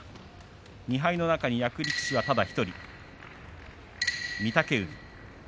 ２敗の中に役力士はただ１人御嶽海です。